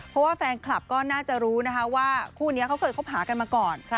เพราะว่าแฟนคลับก็น่าจะรู้นะคะว่าคู่นี้เขาเคยคบหากันมาก่อน